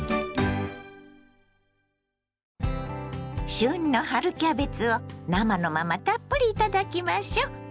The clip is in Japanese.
旬の春キャベツを生のままたっぷりいただきましょ。